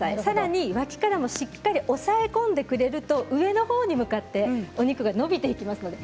さらに脇からもしっかり押さえ込んでくれると上のほうに向かってお肉が伸びていきます。